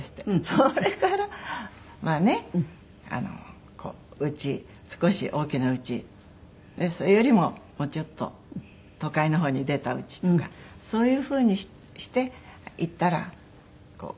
それからまあね家少し大きな家よりももうちょっと都会の方に出た家とかそういうふうにしていったらなんだか随分と。